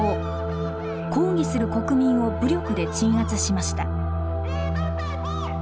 抗議する国民を武力で鎮圧しました。